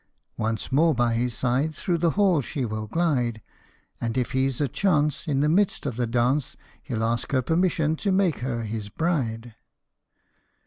Once more by his side through the hall she will glide And if he 's a chance, In the midst of the dance He '11 ask her permission to make her his bride.